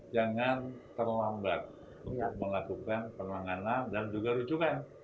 jangan terlambat untuk melakukan penanganan dan juga rujukan